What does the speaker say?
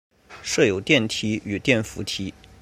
设有电梯与电扶梯。